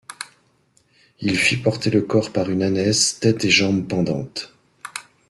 Il fit porter le corps par une ânesse, tête et jambes pendantes.